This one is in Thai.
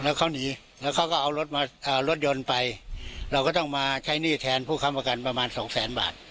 แล้วเขาหนีแล้วเขาก็เอารถมาเอารถยนต์ไปเราก็ต้องมาใช้หนี้แทนผู้ค้ำประกันประมาณสองแสนบาท